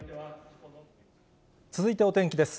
続いてお天気です。